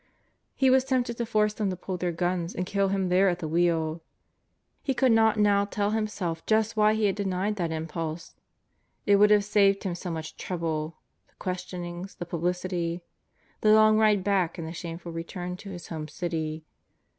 He was tempted to force them to pull their guns and kill him there at the wheel. He could not now tell himself just why he had denied that impulse. It would have saved him so much trouble. The questionings. The publicity. The long ride back and the shameful return to his home city.